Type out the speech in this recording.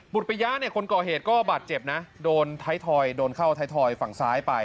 ปริยะเนี่ยคนก่อเหตุก็บาดเจ็บนะโดนท้ายทอยโดนเข้าไทยทอยฝั่งซ้ายไป